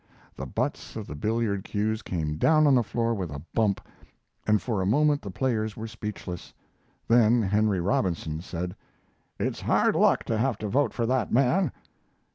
The butts of the billiard cues came down on the floor with a bump, and for a moment the players were speechless. Then Henry Robinson said: "It's hard luck to have to vote for that man."